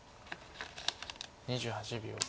２８秒。